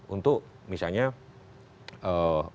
untuk misalnya mengimpit dan sebagainya